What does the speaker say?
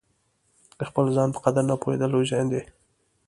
د خپل ځان په قدر نه پوهېدل لوی زیان دی.